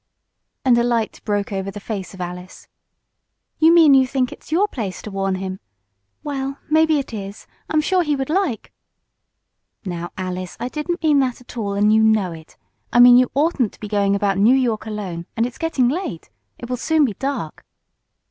and a light broke over the face of Alice. "You mean you think it's your place to warn him. Well, maybe it is. I'm sure he would like " "Now, Alice, I didn't mean that at all, and you know it. I meant you oughtn't to be going about New York alone, and it's getting late. It will soon be dark."